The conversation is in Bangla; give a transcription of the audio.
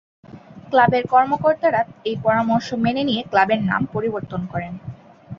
ক্লাবের কর্মকর্তারা এই পরামর্শ মেনে নিয়ে ক্লাবের নাম পরিবর্তন করেন।